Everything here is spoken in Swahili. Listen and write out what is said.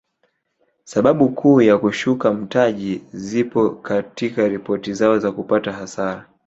Sababu kuu ya kushuka mtaji zipo katika ripoti zao za kupata hasara